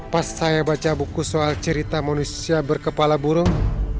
pas saya baca buku soal cerita manusia berkepala burung